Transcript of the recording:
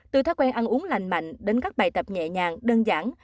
từ thói quen ăn uống lành mạnh đến các bài tập nhẹ nhàng đơn giản